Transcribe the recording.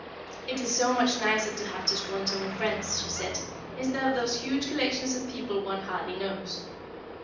"It is so much nicer to have just one's own friends," she said, "instead of those huge collections of people one hardly knows."